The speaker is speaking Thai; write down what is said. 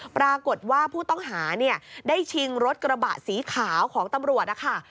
ปรากฏว่าผู้ต้องหาเนี่ยได้ชิงรถกระบะสีขาวของตำรวจนะคะ